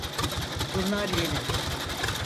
Bunlar yeni.